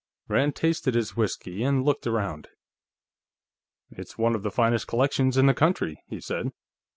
Rand tasted his whiskey and looked around. "It's one of the finest collections in the country," he said.